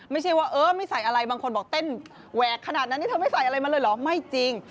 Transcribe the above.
ไม่ใช่ว่าเออไม่ใส่อะไรบางคนบอกเต้นแหวกขนาดนั้นนี่เธอไม่ใส่อะไรมาเลยเหรอไม่จริง